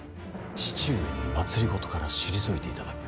父上に政から退いていただく。